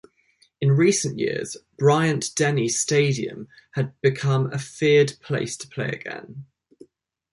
In recent years, Bryant-Denny Stadium had become a feared place to play again.